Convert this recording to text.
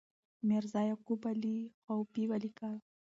میرزا یعقوب علي خوافي ولیکل.